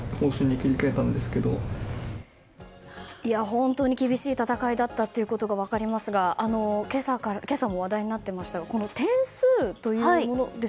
本当に厳しい戦いだったことが分かりますが今朝も話題になっていましたが点数というもの